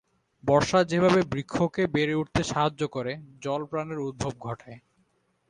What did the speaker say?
বর্ষা যেভাবে বৃক্ষকে বেড়ে উঠতে সাহায্য করে, জল প্রাণের উদ্ভব ঘটায়।